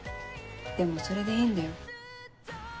でもそれでいいんだよ。